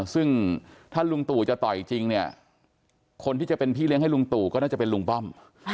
ซึ่งถ้าลุงตู่จะต่อยจริงเนี่ยคนที่จะเป็นพี่เลี้ยให้ลุงตู่ก็น่าจะเป็นลุงป้อม